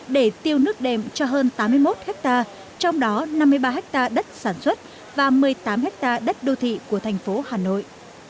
để tiêu nước đệm cho hơn tám mươi một hectare trong đó năm mươi ba ha đất sản xuất và một mươi tám ha đất đô thị của thành phố hà nội